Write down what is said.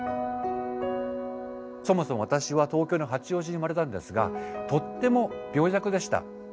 そもそも私は東京の八王子に生まれたんですがとっても病弱でした。